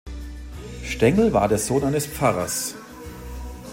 Stengel war der Sohn eines Pfarrers.